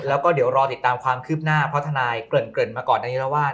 แล้วก็เดี๋ยวรอติดตามความคืบหน้าเพราะทนายเกริ่นมาก่อนอันนี้แล้วว่า